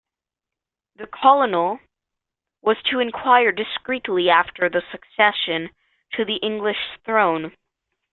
The Colonel was to enquire discreetly after the succession to the English throne.